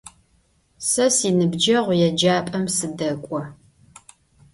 Se sinıbceğu yêcap'em sıdek'o.